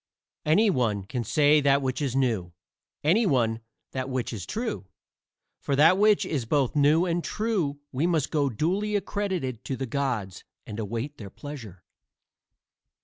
Any one can say that which is new; any one that which is true. For that which is both new and true we must go duly accredited to the gods and await their pleasure.